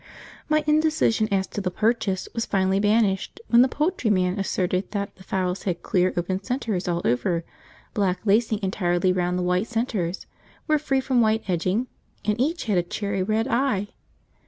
My indecision as to the purchase was finally banished when the poultryman asserted that the fowls had clear open centres all over, black lacing entirely round the white centres, were free from white edging, and each had a cherry red eye.